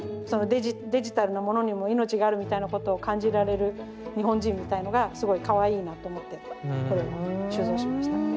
そのデジタルなものにも命があるみたいなことを感じられる日本人みたいのがすごいかわいいなと思ってこれも収蔵しました。